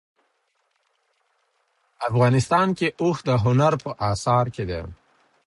افغانستان کې اوښ د هنر په اثار کې دي.